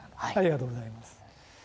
ありがとうございます。